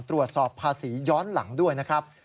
ตรวจสอบภาษีย้อนหลังด้วยนะครับ